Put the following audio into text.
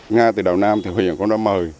nga từ đầu nam thì huyện cũng đã mời